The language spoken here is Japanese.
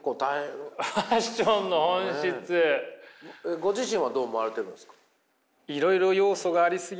ご自身はどう思われてるんですか？